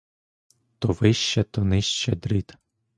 То вище, то нижче дріт.